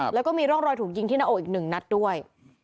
แล้วก็มีร่องรอยถูกยิงที่หน้าอกอีก๑นัดด้วย